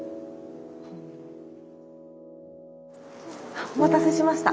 あっお待たせしました。